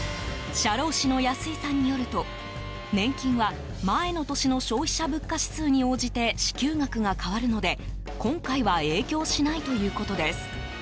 社労士の安井さんによると年金は前の年の消費者物価指数に応じて支給額が変わるので今回は影響しないということです。